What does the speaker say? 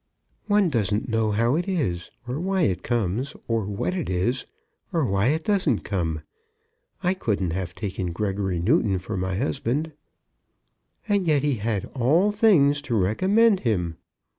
"One doesn't know how it is, or why it comes, or what it is; or why it doesn't come. I couldn't have taken Gregory Newton for my husband." "And yet he had all things to recommend him."